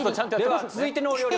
では続いてのお料理